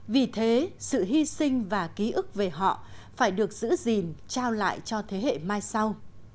vì thế sự hy sinh và ký ức về họ phải được giữ gìn trao lại cho thế hệ mai sau